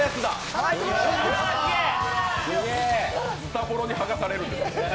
ズタボロに剥がされるんですね。